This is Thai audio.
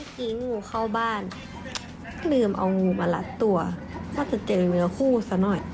พลาดเลย